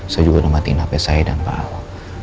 saya juga udah matiin hp saya dan pak aho